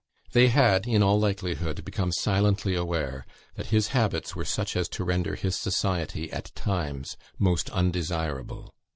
They had, in all likelihood, become silently aware that his habits were such as to render his society at times most undesirable.